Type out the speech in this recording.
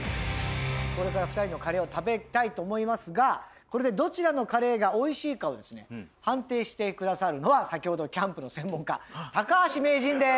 これから２人のカレーを食べたいと思いますがこれでどちらのカレーがおいしいかをですね判定してくださるのは先ほどのキャンプの専門家橋名人です。